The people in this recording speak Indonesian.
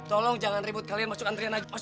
tolong jangan ribut kalian masuk antrian lagi